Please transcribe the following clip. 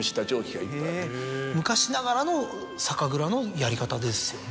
昔ながらの酒蔵のやり方ですよね。